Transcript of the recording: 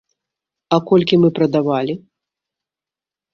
А колькi мы прадавалi?..